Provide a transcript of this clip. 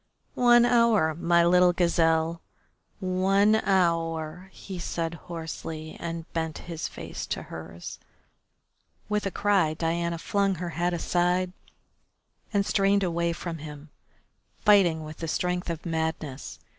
"One hour, my little gazelle, one hour " he said hoarsely, and bent his face to hers. With a cry Diana flung her head aside and strained away from him, fighting with the strength of madness.